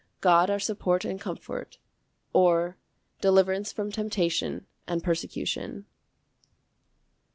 God our support and comfort; or, Deliverance from temptation and persecution.